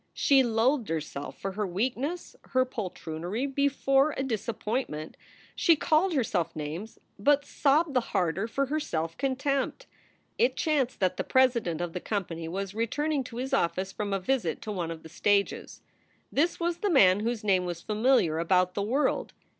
She loathed herself for her weakness, her poltroonery, before a disappointment. She called herself names, but sobbed the harder for her self contempt. It chanced that the president of the company was returning to his office from a visit to one of the stages. This was the man whose name was familiar about the world.